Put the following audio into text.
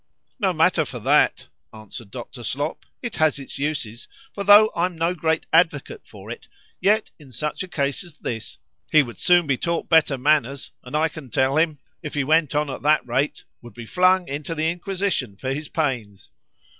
—No matter for that, answered Dr. Slop,—it has its uses; for tho' I'm no great advocate for it, yet, in such a case as this, he would soon be taught better manners; and I can tell him, if he went on at that rate, would be flung into the Inquisition for his pains.